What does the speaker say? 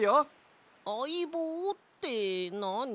あいぼうってなに？